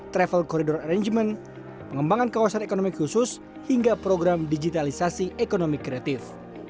travel corridor arrangement pengembangan kawasan ekonomi khusus hingga program digitalisasi ekonomi kreatif